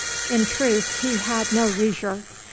In truth, he had no leisure.